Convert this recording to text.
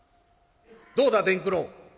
どうだ伝九郎。